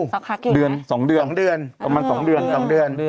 สักครั้งอยู่ไหมสองเดือนประมาณสองเดือนสองเดือนสองเดือน